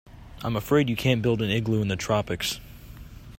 I'm afraid you can't build an igloo in the tropics.